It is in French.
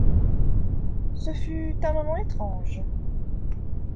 Ce fut un moment étrange.